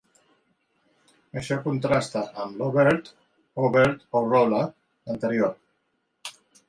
Això contrasta amb l'"Oh Bird, Oh Bird, Oh Roller" anterior.